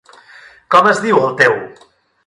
Com es diu el teu??